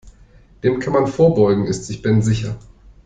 Dem kann man vorbeugen, ist sich Ben sicher.